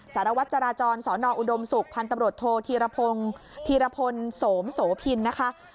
สารวัตรจราจรสอนออุดมศุกร์พันธุ์ตำรวจโทษธีรพงศ์ธีรพลโสมินนะคะ